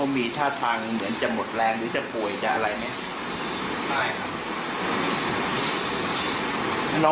มันลึกเหรอ